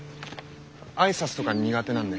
挨拶とか苦手なんで。